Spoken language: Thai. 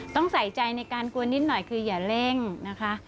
ต้องใส่ใจในการกวนนิดหน่อยคืออย่าเร่งนะคะ